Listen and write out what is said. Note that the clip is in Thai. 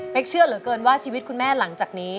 เชื่อเหลือเกินว่าชีวิตคุณแม่หลังจากนี้